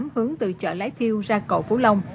hướng từ chợ lái thiêu ra cầu phú long